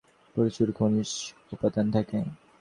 এ ফল পানিতে ভরপুর এবং তাতে প্রচুর খনিজ উপাদান থাকে।